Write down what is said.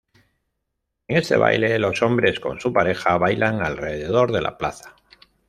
En este baile, los hombres con su pareja bailan alrededor de la plaza.